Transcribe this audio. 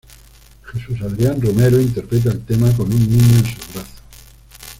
Jesús Adrián Romero interpreta el tema con un niño en sus brazos.